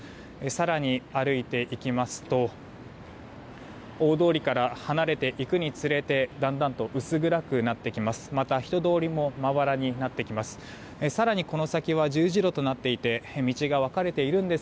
更に歩いていきますと大通りから離れていくにつれてだんだんと薄暗くなってきます。